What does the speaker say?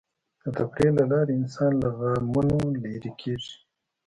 د تفریح له لارې انسان له غمونو لرې کېږي.